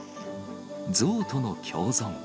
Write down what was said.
ゾウとの共存。